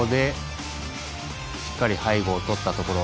しっかり背後を取ったところ。